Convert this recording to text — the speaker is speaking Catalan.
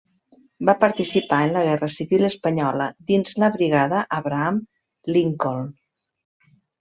Va participar en la Guerra Civil Espanyola dins la Brigada Abraham Lincoln.